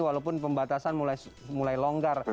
walaupun pembatasan mulai longgar